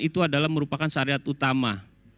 itu adalah merupakan syariat utama